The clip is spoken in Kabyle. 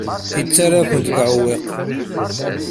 Yettarra-kent deg uɛewwiq.